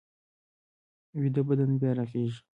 ویده بدن بیا رغېږي